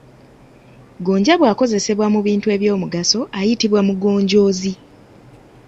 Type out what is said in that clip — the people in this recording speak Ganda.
Gonja bw’akozesebwa mu bintu eby’omugaso ayitibwa Mugonjoozi.